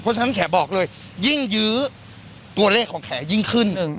เพราะฉะนั้นแขกบอกเลยยิ่งยื้อตัวเลขของแขยิ่งขึ้น